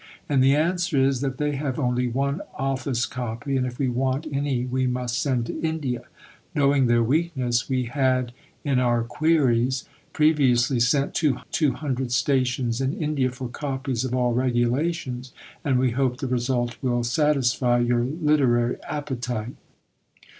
And the answer is that they have only one Office copy, and if we want any we must send to India. Knowing their weakness, we had (in our "Queries") previously sent to two hundred Stations in India for copies of all "Regulations," and we hope the result will satisfy your literary appetite.